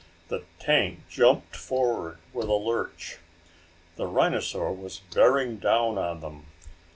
The tank jumped forward with a lurch. The rhinosaur was bearing down on them.